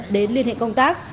đến liên hệ công tác